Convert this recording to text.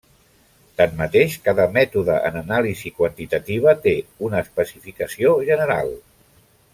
Tanmateix cada mètode en anàlisi quantitativa té una especificació general.